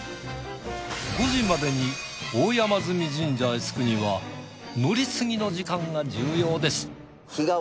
５時までに大山神社へ着くには乗り継ぎの時間が重要です。